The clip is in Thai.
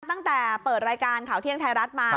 ตั้งแต่เปิดรายการข่าวเที่ยงไทยรัฐมา